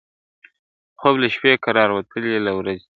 خوب له شپې، قرار وتلی دی له ورځي !.